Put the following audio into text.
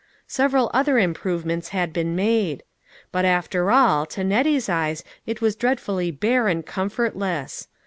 Several other improvements had been made. But after all, to ^Nettie's eyes it was dreadfully bare and comfortless.